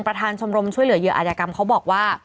ประธานชมรมช่วยเหลือเยืออาจากรรมเขาบอกว่า